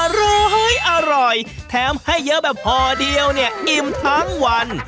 รู้เฮ้ยอร่อยแถมให้เยอะแบบห่อเดียวเนี่ยอิ่มทั้งวัน